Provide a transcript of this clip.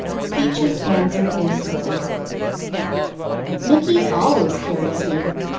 Peaches answered instantly. "Mickey always carries me.